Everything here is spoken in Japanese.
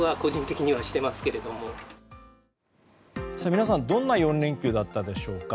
皆さんどんな４連休だったでしょうか。